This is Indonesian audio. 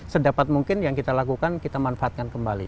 sedapat mungkin yang kita lakukan kita manfaatkan kembali